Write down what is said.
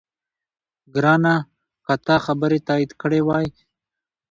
ګرانه! که تا خبرې تایید کړې وای،